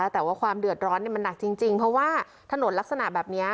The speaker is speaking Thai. แต่ว่าความเดือดร้อนมันหนักจริงเพราะว่าถนนลักษณะแบบนี้